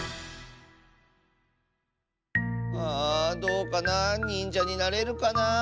あどうかな。にんじゃになれるかな？